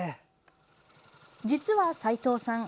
実は齋藤さん